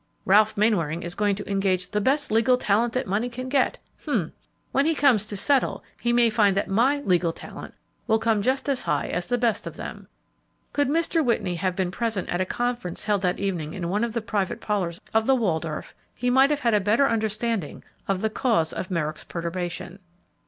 Ralph Mainwaring is going to engage 'the best legal talent that money can get!' H'm! when he comes to settle, he may find that my 'legal talent' will come just as high as the best of them." Could Mr. Whitney have been present at a conference held that evening in one of the private parlors of the Waldorf, he might have had a better understanding of the cause of Merrick's perturbation.